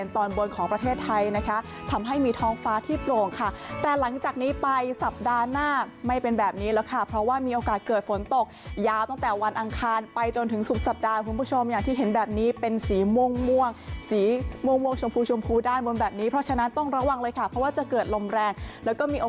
ตอนบนของประเทศไทยนะคะทำให้มีท้องฟ้าที่โปร่งค่ะแต่หลังจากนี้ไปสัปดาห์หน้าไม่เป็นแบบนี้แล้วค่ะเพราะว่ามีโอกาสเกิดฝนตกยาวตั้งแต่วันอังคารไปจนถึงสุดสัปดาห์คุณผู้ชมอย่างที่เห็นแบบนี้เป็นสีม่วงสีม่วงชมพูชมพูด้านบนแบบนี้เพราะฉะนั้นต้องระวังเลยค่ะเพราะว่าจะเกิดลมแรงแล้วก็มีโอ